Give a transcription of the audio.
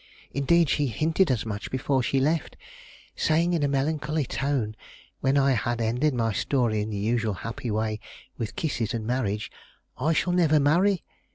Indeed, she hinted as much before she left, saying in a melancholy tone, when I had ended my story in the usual happy way, with kisses and marriage, "I shall never marry!"